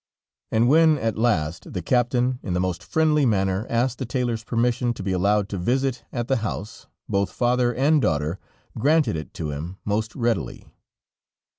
And when, at last, the Captain, in the most friendly manner, asked the tailor's permission to be allowed to visit at the house, both father and daughter granted it to him most readily.